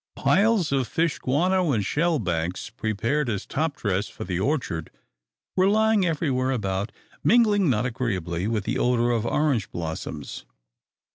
Piles of fish guano and shell banks, prepared as top dress for the orchard, were lying everywhere about, mingling not agreeably with the odor of orange blossoms.